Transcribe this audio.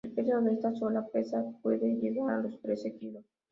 El peso de esta sola pesa puede llegar a los tres kilos.